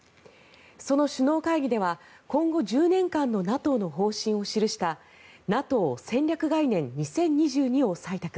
その首脳会議では今後１０年間のＮＡＴＯの方針を記したＮＡＴＯ戦略概念２０２２を採択。